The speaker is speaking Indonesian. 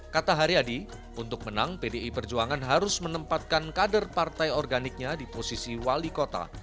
kata haryadi untuk menang pdi perjuangan harus menempatkan kader partai organiknya di posisi wali kota